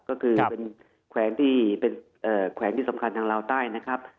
ก็คือเป็นแขวงที่สำคัญทางลาวใต้นะครับ